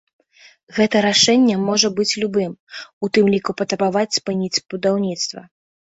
Гэта рашэнне можа быць любым, у тым ліку патрабаваць спыніць будаўніцтва.